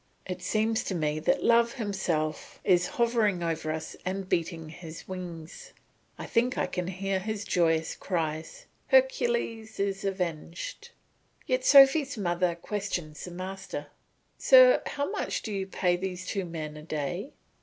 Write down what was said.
It seems to me that Love himself is hovering over us and beating his wings; I think I can hear his joyous cries, "Hercules is avenged." Yet Sophy's mother questions the master. "Sir, how much do you pay these two men a day?"